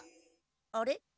あれ？